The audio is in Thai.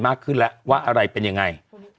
มากขึ้นแล้วว่าอะไรเป็นยังไง